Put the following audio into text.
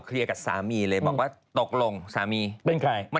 เรื่องอย่างไรของย่านะคะ